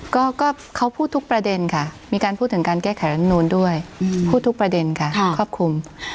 ก็เขาพูดทุกประเด็นค่ะมีการพูดถึงการแก้ไขรำนูนด้วยพูดทุกประเด็นค่ะครอบคลุม